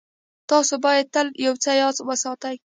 تاسې بايد تل يو څه ياد وساتئ.